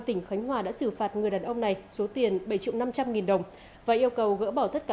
tỉnh khánh hòa đã xử phạt người đàn ông này số tiền bảy triệu năm trăm linh nghìn đồng và yêu cầu gỡ bỏ tất cả